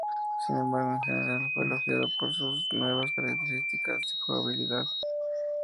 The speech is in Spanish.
Sin embargo, en general, fue elogiado por sus nuevas características y jugabilidad.